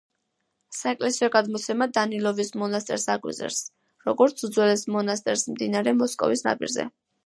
საეკლესიო გადმოცემა დანილოვის მონასტერს აგვიწერს, როგორც უძველეს მონასტერს მდინარე მოსკოვის ნაპირზე.